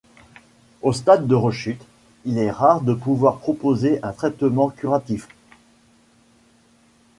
Au stade de rechute, il est rare de pouvoir proposer un traitement curatif.